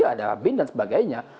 ada bin dan sebagainya